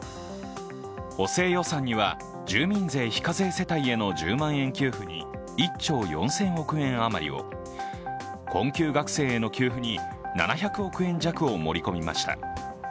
補正予算は住民税非課税世帯への１０万円給付に１兆４０００億円余りを困窮学生への給付に７００億円弱を盛り込みました。